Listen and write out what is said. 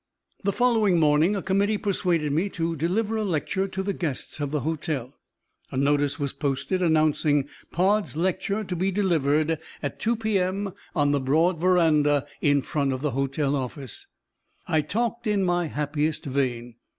The following morning a committee persuaded me to deliver a lecture to the guests of the hotel. A notice was posted, announcing Pod's lecture to be delivered at 2 p. m. on the broad veranda in front of the hotel office. I talked in my happiest vein.